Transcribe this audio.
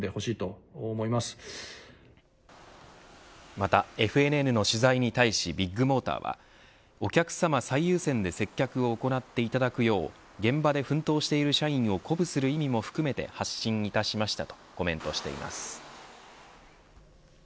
またＦＮＮの取材に対しビッグモーターはお客さま最優先で接客を行っていただくよう、現場で奮闘している社員を鼓舞する意味も含めて発信いたしましたとコメントしています。